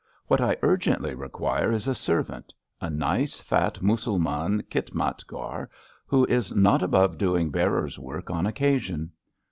What I urgently require is a servant — ^a nice, fat Mussulman khitmatgar, who is not above doing bearer ^s work on occasion.